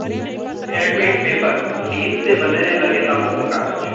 handmade paper: लीद से बनने लगे लाखों के कागज